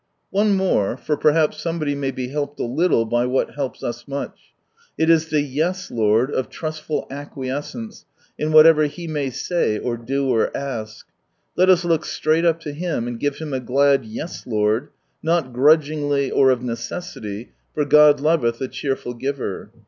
One more, for perhaps somebody may be helped a little by what helps us much. — It is the " Yes, Lord," of trustful acquiescence in whatever He may say or do or ask. Let us look straight up to Him, and give Him a glad " Yes, Lord I " not grudgingly or of necessity, for God loveth a cheerful giver.